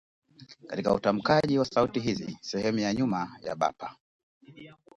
Katika utamkaji wa sauti hizi sehemu ya nyuma ya bapa